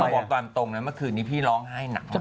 ฉันมาโปกตอนต้องนะเมื่อคืนนี้พี่ร้องไห้หนักมากเลย